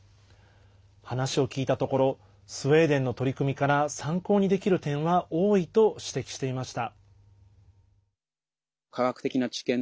話を聞いたところスウェーデンの取り組みから参考にできる点は多いと指摘していました。